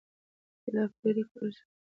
اختلافات لیرې کړل شول.